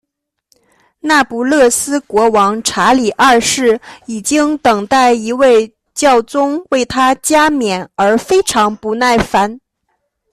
那不勒斯国王查理二世已经等待一位教宗为他加冕而非常不耐烦。